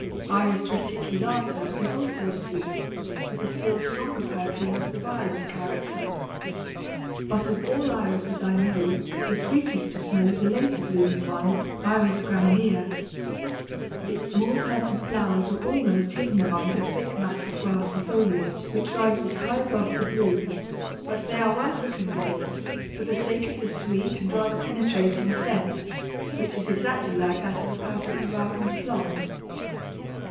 Iris reticulata is also sweet, with a still stronger perfume of the violet character. But of all Irises I know, the sweetest to smell is a later blooming one, I. graminea. Its small purple flowers are almost hidden among the thick mass of grassy foliage which rises high above the bloom; but they are worth looking for, for the sake of the sweet and rather penetrating scent, which is exactly like that of a perfectly ripened plum.